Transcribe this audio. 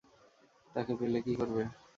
তাকে পেলে কি করবে?